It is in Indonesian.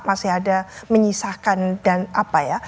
masih ada menyisakan dan apa ya